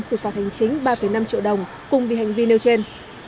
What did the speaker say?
xử phạt hành chính ba năm triệu đồng cùng vì hành vi nêu trên